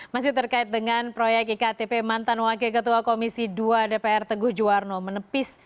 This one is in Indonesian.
masih terkait dengan proyek iktp mantan wakil ketua komisi dua dpr teguh juwarno menepis